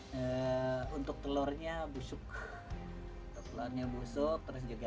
pemerian bansos bagi warga berkebutuhan khusus selera ini telah ditengarai turut dipangkas